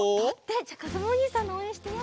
じゃあかずむおにいさんのおうえんしてよ